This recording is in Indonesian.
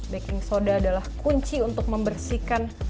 baking soda adalah kunci untuk membersihkan